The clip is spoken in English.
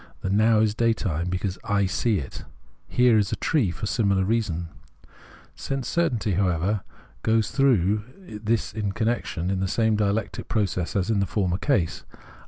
The Now is daytime, because I see it; the Here is a tree for a similar reason. Sense certainty, however, goes through, in this connection, 96 Phenomenology of Mind the same dialectic process as in the former case.